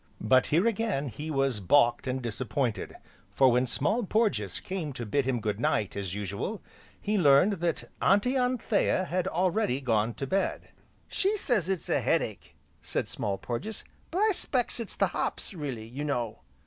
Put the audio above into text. But here again he was balked and disappointed, for when Small Porges came to bid him good night as usual, he learned that "Auntie Anthea" had already gone to bed. "She says it's a head ache," said Small Porges, "but I 'specks it's the hops, really, you know."